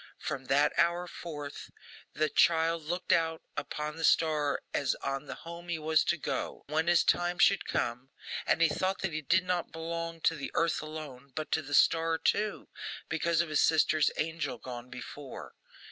From that hour forth, the child looked out upon the star as on the home he was to go to, when his time should come; and he thought that he did not belong to the earth alone, but to the star too, because of his sister's angel gone before.